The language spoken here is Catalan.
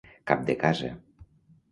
Cap de casa.